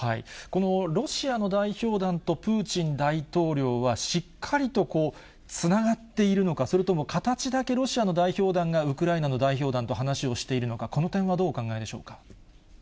このロシアの代表団とプーチン大統領は、しっかりとつながっているのか、それとも形だけロシアの代表団がウクライナの代表団と話をしているのか、この点はどうお考えでしょうか。